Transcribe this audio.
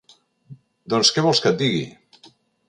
Doncs què vols que et digui!